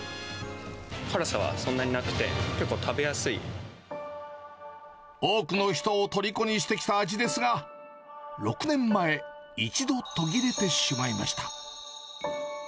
辛さはそんなになくて、多くの人をとりこにしてきた味ですが、６年前、一度途切れてしまいました。